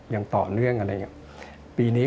ยังต่อเนื่องอะไรอย่างนี้